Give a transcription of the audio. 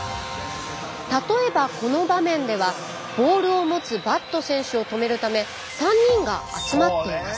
例えばこの場面ではボールを持つバット選手を止めるため３人が集まっています。